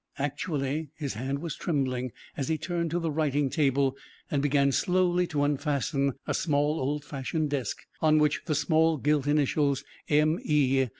Actually his hand was trembling as he turned to the writing table and began slowly to unfasten a small old fashioned desk on which the small gilt initials "M.E."